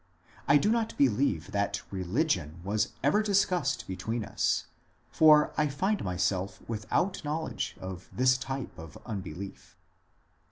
I do not believe that religion was ever discussed between us, for I find myself without knowledge of his type of unbelief.